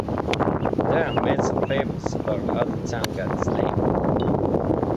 There are myths and fables about how the town got its name.